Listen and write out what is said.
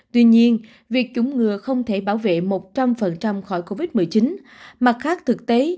tuy nhiên việc chủng ngừa không thể bảo vệ một trăm linh khỏi covid một mươi chín mặt khác thực tế